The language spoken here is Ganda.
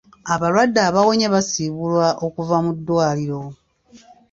Abalwadde abawonye basiibulwa okuva mu ddwaliro.